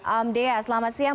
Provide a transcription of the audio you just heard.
amdea selamat siang